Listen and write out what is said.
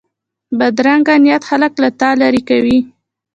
بدرنګه نیت خلک له تا لرې کوي